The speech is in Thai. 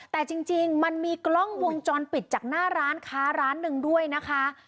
แต่จริงมันมีกล้องวงจรปิดจากหน้าร้านค้าร้านหนึ่งด้วยนะคะ